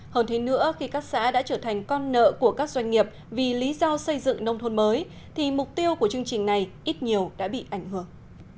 hơn thế nữa khi các xã đã trở thành con nợ của các doanh nghiệp vì lý do xây dựng nông thôn mới thì mục tiêu của chương trình này ít nhiều đã bị ảnh hưởng